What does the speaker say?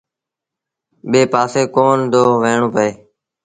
ٻي پآسي ڪونا دو وهيڻو پئي۔